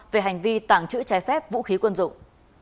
về hành vi tàng trữ trái phép vũ khí quân dụng